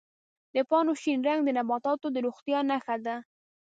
د پاڼو شین رنګ د نباتاتو د روغتیا نښه ده.